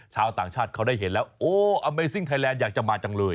ชาวต่างชาติเขาได้เห็นแล้วโอ้อเมซิ่งไทยแลนด์อยากจะมาจังเลย